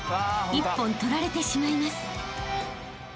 ［一本取られてしまいます］